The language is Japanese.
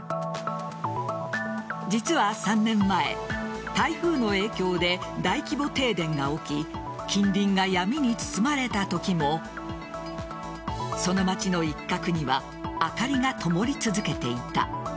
実は３年前台風の影響で大規模停電が起き近隣が闇に包まれたときもその町の一角には明かりが灯り続けていた。